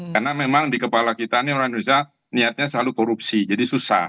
karena memang di kepala kita ini orang indonesia niatnya selalu korupsi jadi susah